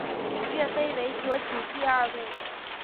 岳飞为左起第二位。